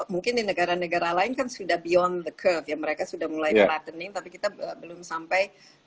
mungkin di negara negara lain kan sudah beyond the curve ya mereka sudah mulai melatening tapi kita belum sampai